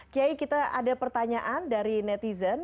kiai kita ada pertanyaan dari netizen